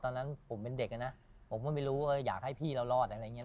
ตอนนั้นผมเป็นเด็กนะผมก็ไม่รู้ว่าอยากให้พี่เรารอดอะไรอย่างนี้